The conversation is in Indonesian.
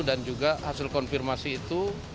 dan juga hasil konfirmasi itu